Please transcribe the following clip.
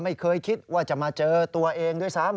ไม่เคยคิดว่าจะมาเจอตัวเองด้วยซ้ำ